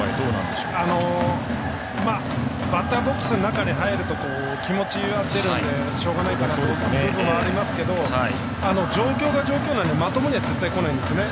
バッターボックスの中に入ると気持ちは出るんでしょうがないかなという部分はありますけど状況が状況なので、まともには絶対こないんですね。